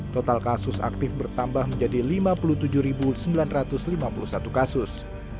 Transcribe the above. total kasus aktif bertambah menjadi lima puluh tujuh sembilan ratus lima puluh satu kasus